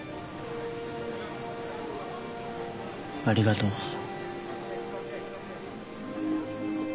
ありがとう。